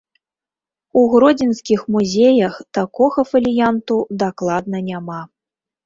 У гродзенскіх музеях такога фаліянту дакладна няма.